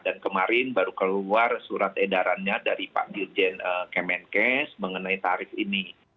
dan kemarin baru keluar surat edarannya dari pak dirjen kemenkes mengenai tarif ini